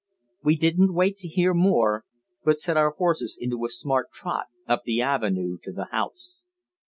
We didn't wait to hear more, but set our horses into a smart trot up the avenue to the house.